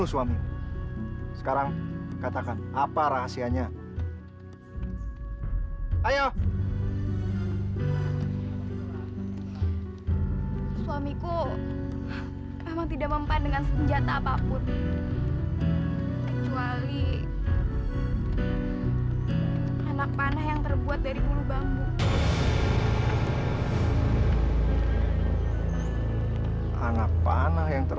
sampai jumpa di video selanjutnya